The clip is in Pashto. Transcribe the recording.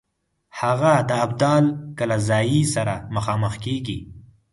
هغه د ابدال کلزايي سره مخامخ کیږي.